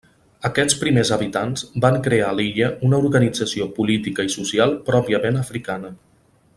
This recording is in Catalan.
Aquests primers habitants van crear a l'illa una organització política i social pròpiament africana.